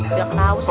tidak tahu saya